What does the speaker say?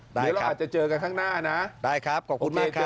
เดี๋ยวเราอาจจะเจอกันข้างหน้านะได้ครับขอบคุณมากครับ